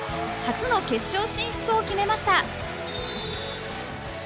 初の決勝進出を決めました。